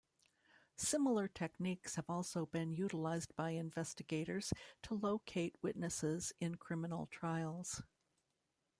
Similar techniques have also been utilized by investigators to locate witnesses in criminal trials.